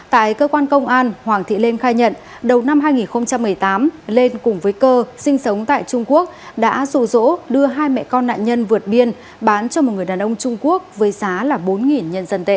tại cơ quan công an hoàng thị lên khai nhận đầu năm hai nghìn một mươi tám lên cùng với cơ sinh sống tại trung quốc đã rủ rỗ đưa hai mẹ con nạn nhân vượt biên bán cho một người đàn ông trung quốc với giá là bốn nhân dân tệ